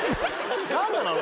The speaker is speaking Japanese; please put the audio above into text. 何なの？